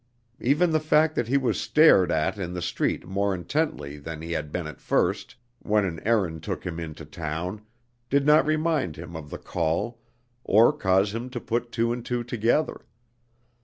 Even the fact that he was stared at in the street more intently than he had been at first, when an errand took him into town, did not remind him of the call or cause him to put two and two together.